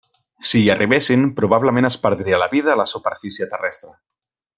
Si hi arribessin, probablement es perdria la vida a la superfície terrestre.